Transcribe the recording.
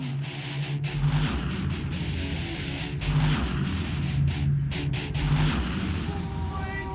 วันนี้ดังนั้นก็จะเป็นรายการมวยไทยสามยกที่มีความสนุกความมันความเดือดนะครับ